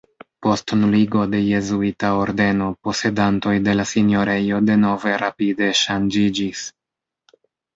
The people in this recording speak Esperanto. Post nuligo de jezuita ordeno posedantoj de la sinjorejo denove rapide ŝanĝiĝis.